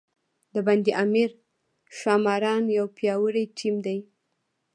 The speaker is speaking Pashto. د بند امیر ښاماران یو پیاوړی ټیم دی.